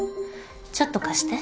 ちょっと貸して。